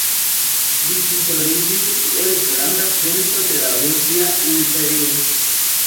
Li titoliĝis kiel granda princo de la Rusia Imperio.